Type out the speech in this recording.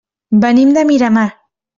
Venim de Miramar.